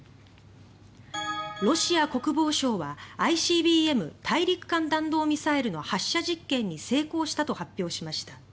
ロシア国防省はＩＣＢＭ・大陸間弾道ミサイルの発射実験に成功したと発表しました。